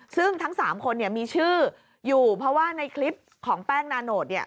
ซึ่งทั้ง๓คนมีชื่ออยู่เพราะว่าในคลิปของแป้งนาโนต